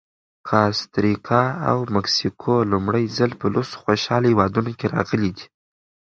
کاستریکا او مکسیکو لومړی ځل په لسو خوشحاله هېوادونو کې راغلي دي.